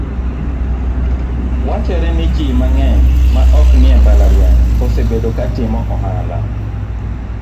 Wachore ni ji mang'eny ma ok nie mbalariany, osebedo ka timo ohala